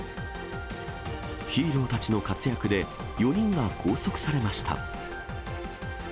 ヒーローたちの活躍で、４人が拘束されました。